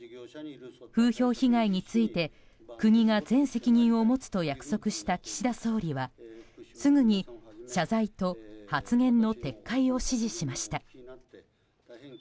風評被害について国が全責任を持つと約束した岸田総理はすぐに謝罪と発言の撤回を指示しました。